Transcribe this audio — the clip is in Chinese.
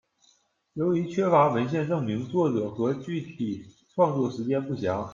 由于缺乏文献证明，作者和具体创作时间不详。